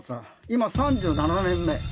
今３７年目。